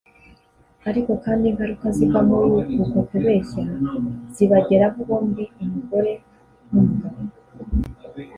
ariko kandi ingaruka ziva muri uko kubeshya zibageraho bombi umugore n’umugabo